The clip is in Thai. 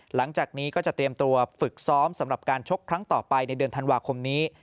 หลังจากนี้ก็จะเตรียมตัวฝึกซ้อมสำหรับการชกครั้งต่อไปในเดือนธันวาคมนี้